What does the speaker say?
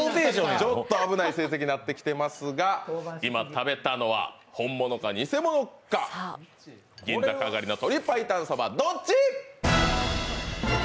ちょっと危ない成績になってますが、今食べたのは本物か偽物か、銀座篝の鶏白湯Ｓｏｂａどっち？